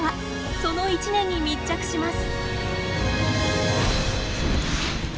その１年に密着します。